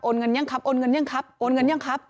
เงินยังครับโอนเงินยังครับโอนเงินยังครับ